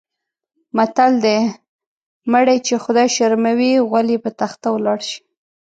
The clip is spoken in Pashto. متل دی: مړی چې خدای شرموي غول یې په تخته ولاړ شي.